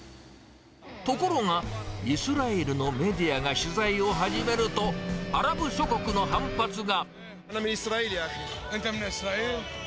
ところが、イスラエルのメディアが取材を始めると、アラブ諸国の反発が。